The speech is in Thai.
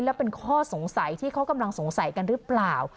และเป็นข้อสงสัยที่เขากำลังสงสัยกันหรือเปล่า